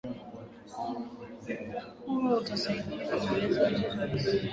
kuwa utasaidia kumaliza mzozo wa kisiasa